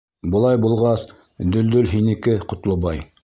Былай булғас, Дөлдөл һинеке, Ҡотлобай!